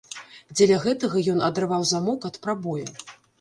Дзеля гэтага ён адарваў замок ад прабоя.